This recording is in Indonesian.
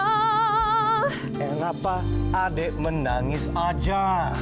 eh kenapa adik menangis aja